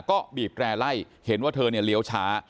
ก็บีบแร่ไล่เห็นว่าเธอเนี่ยเลี้ยวช้า